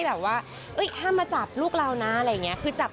ไปถามกันเลยค่ะ